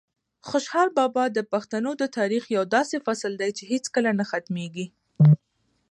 خوشحال بابا د پښتنو د تاریخ یو داسې فصل دی چې هیڅکله نه ختمېږي.